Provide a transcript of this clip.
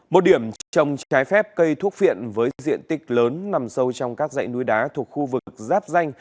một điểm trồng trái phép cây thuốc phiện với diện tích lớn nằm sâu trong các dãy núi đá thuộc khu vực giáp danh